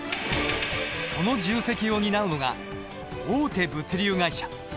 その重責を担うのが大手物流会社。